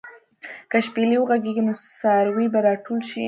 که شپېلۍ وغږېږي، نو څاروي به راټول شي.